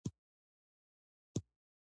خو په سخته ورځ تربور هم ورور وي.